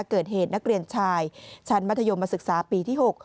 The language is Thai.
เกิดเหตุนักเรียนชายชั้นมัธยมศึกษาปีที่๖